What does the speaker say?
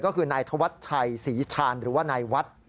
ก็คือนายธวัชชัยศรีชาญหรือว่านายวัด